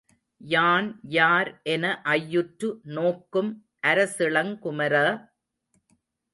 யான் யார் என ஐயுற்று நோக்கும் அரசிளங்குமர!